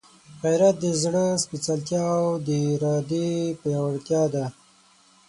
غیرت د زړه سپېڅلتیا او د ارادې پیاوړتیا ده.